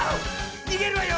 にげるわよ！